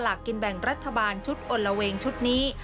หลักกินแบ่งรัฐบาลชุดอละเวงชุดนี้